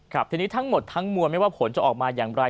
ครับทีนี้ทั้งหมดทั้งมวลไม่ว่าผลจะออกมาอย่างไร